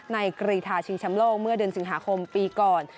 กรีธาชิงแชมป์โลกเมื่อเดือนสิงหาคมปีก่อน